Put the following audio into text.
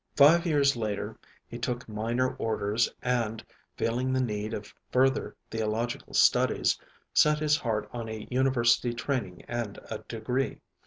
Five years later he took minor Orders and, feeling the need of further theological studies, set his heart on a university training and a degree.